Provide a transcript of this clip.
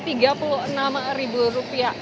untuk surabaya porong ini terbagi rp lima belas